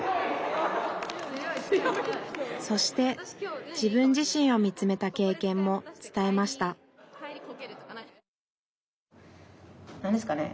そして自分自身を見つめた経験も伝えました何ですかね